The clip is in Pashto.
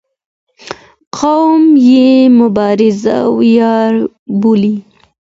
قوم یې مبارزه ویاړ بولي